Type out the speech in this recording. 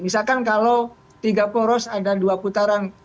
misalkan kalau tiga poros ada dua putaran